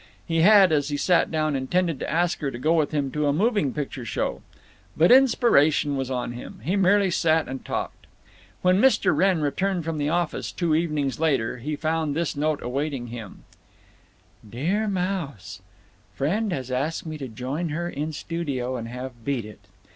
He had, as he sat down, intended to ask her to go with him to a moving picture show. But inspiration was on him. He merely sat and talked. When Mr. Wrenn returned from the office, two evenings later, he found this note awaiting him: DEAR MOUSE,—Friend has asked me to join her in studio & have beat it.